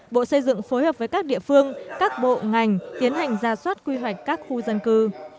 bộ xây dựng phối hợp với các địa phương các bộ ngành tiến hành ra soát quy hoạch các khu dân cư